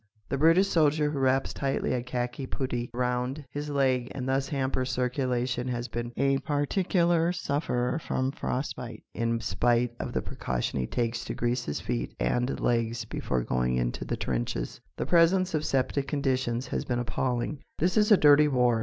The British soldier who wraps tightly a khaki puttee round his leg and thus hampers circulation has been a particular sufferer from frostbite in spite of the precaution he takes to grease his feet and legs before going into the trenches. The presence of septic conditions has been appalling. This is a dirty war.